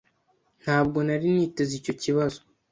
Ntabwo nari niteze icyo kibazo.